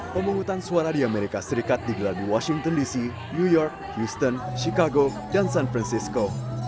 pemungutan suara di amerika serikat digelar di washington dc new york kristen chicago dan san francisco